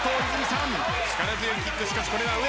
力強いキックしかしこれは上。